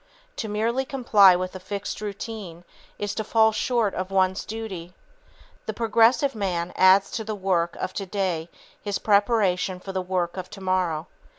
To merely comply with a fixed routine is to fall short of one's duty. The progressive man adds to the work of today his preparation for the work of tomorrow.